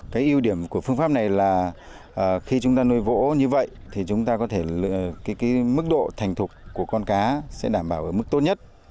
cái ưu điểm của phương pháp này là khi chúng ta nuôi gỗ như vậy thì chúng ta có thể cái mức độ thành thục của con cá sẽ đảm bảo ở mức tốt nhất